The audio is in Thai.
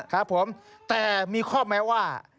ครับผมแต่มีข้อแม้ว่า